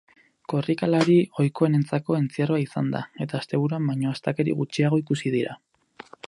Korrikalari ohikoenentzako entzierroa izan da, eta asteburuan baino astakeri gutxiago ikusi dira.